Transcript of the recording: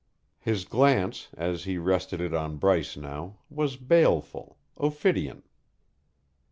His glance, as he rested it on Bryce now, was baleful, ophidian.